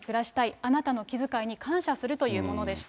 あなたの気遣いに感謝するというものでした。